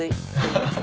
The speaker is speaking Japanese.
ハハハ。